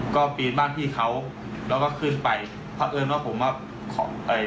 ก็ปีนบ้านพี่เขาแล้วก็ขึ้นไปเพราะเอิญว่าผมอ่ะของเอ่อ